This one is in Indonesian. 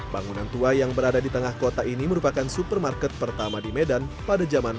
bangunan tua yang berada di tengah kota ini merupakan supermarket pertama di medan pada zaman